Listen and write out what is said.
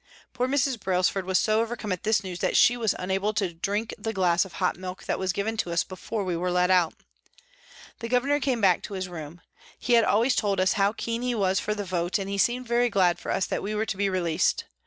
Poor Mrs. Brailsford was so overcome at this news that she was unable to drink the glass of hot milk that was given to us before we were let out. The Governor came back to his room. He had always told us how keen he was for the vote, and he seemed very glad for us that we were to be released.